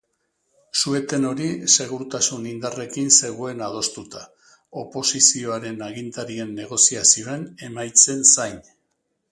Su-eten hori segurtasun-indarrekin zegoen adostuta, oposizioaren agintarien negoziazioen emaitzen zain.